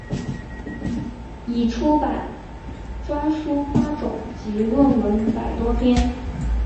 已出版专书八种及论文百多篇。